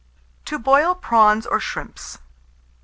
TO BOIL PRAWNS OR SHRIMPS.